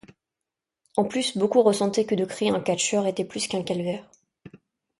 En plus, beaucoup ressentaient que de créer un catcheur était plus qu'un calvaire.